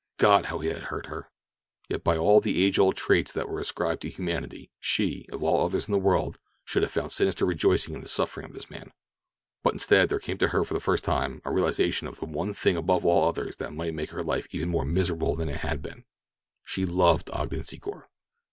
God, how it had hurt her! Yet by all the age old traits that are ascribed to humanity she, of all others in the world, should have found sinister rejoicing in the suffering of this man. But instead, there came to her for the first time a realization of the one thing above all others that might make her life even more miserable than it had been—she loved Ogden Secor.